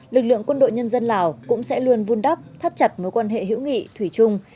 lực lượng quân đội nhân dân lào cũng sẽ luôn vun đắp thắt chặt mối quan hệ hữu nghị thủy chung